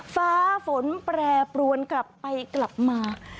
ฟ้าฝนแปรปรวนกลับไปกลับมา